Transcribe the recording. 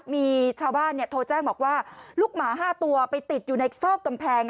มีชาวบ้านโทรแจ้งบอกว่าลูกหมา๕ตัวไปติดอยู่ในซอกกำแพง